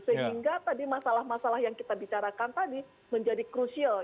sehingga tadi masalah masalah yang kita bicarakan tadi menjadi crucial